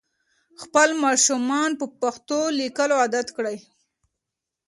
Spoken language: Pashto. خپل ماشومان په پښتو لیکلو عادت کړئ.